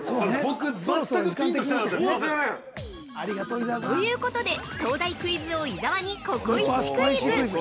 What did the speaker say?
◆ということで、東大クイズ王・伊沢にココイチクイズ！